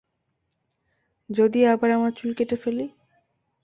যদি আবার আমার চুল কেটে ফেলি?